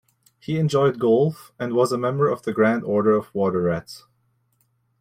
He enjoyed golf, and was a member of the Grand Order of Water Rats.